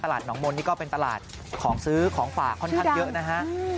หนองมนต์นี่ก็เป็นตลาดของซื้อของฝากค่อนข้างเยอะนะฮะ